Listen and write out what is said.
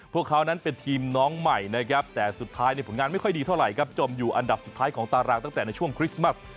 พวกเขานั้นเป็นทีมน้องใหม่นะครับแต่สุดท้ายในผลงานไม่ค่อยดีเท่าไหร่ครับจมอยู่อันดับสุดท้ายของตารางตั้งแต่ในช่วงคริสต์มัส